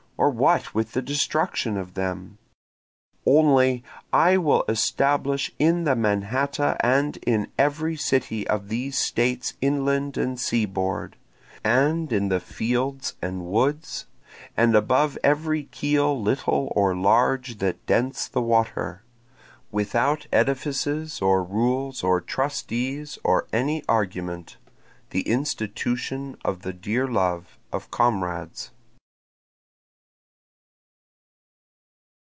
or what with the destruction of them?) Only I will establish in the Mannahatta and in every city of these States inland and seaboard, And in the fields and woods, and above every keel little or large that dents the water, Without edifices or rules or trustees or any argument, The institution of the dear love of comrades.